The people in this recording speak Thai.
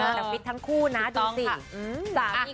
สำคัญทั้งคู่นะดูสิ